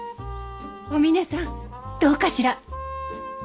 お峰さんどうかしら？